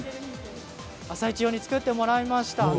「あさイチ」用に作ってもらいました。